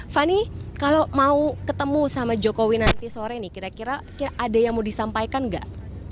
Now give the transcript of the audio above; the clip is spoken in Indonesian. fani kalau mau ketemu sama jokowi nanti sore nih kira kira ada yang mau disampaikan nggak